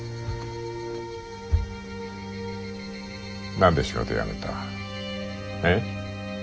何で仕事辞めた？え？